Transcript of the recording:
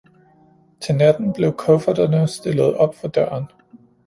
Til natten blev kufferterne stillet op for døren.